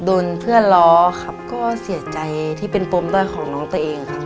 โดนเพื่อนล้อครับก็เสียใจที่เป็นปมด้อยของน้องตัวเองครับ